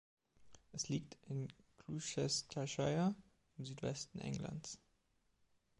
Es liegt in Gloucestershire im Südwesten Englands.